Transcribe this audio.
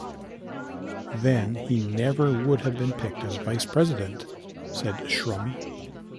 Then he never would have been picked as vice president, said Shrum.